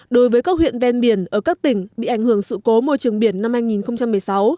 đối với các huyện ven biển ở các tỉnh bị ảnh hưởng sự cố môi trường biển năm hai nghìn một mươi sáu